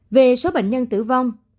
về số bệnh nhân tử vong